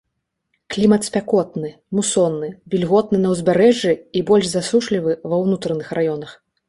Клімат спякотны, мусонны, вільготны на ўзбярэжжы і больш засушлівы ва ўнутраных раёнах.